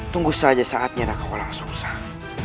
tunggu saja saatnya raka walau susah